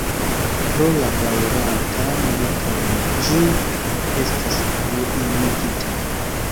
Pro la daŭranta milito nun ĝi estas ruinigita.